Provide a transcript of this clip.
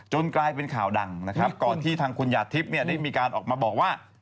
กลายเป็นข่าวดังนะครับก่อนที่ทางคุณหยาทิพย์เนี่ยได้มีการออกมาบอกว่า